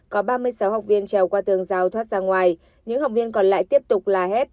có ba mươi sáu học viên trèo qua tường rào thoát ra ngoài những học viên còn lại tiếp tục la hét